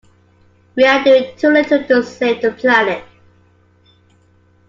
We are doing too little to save the planet.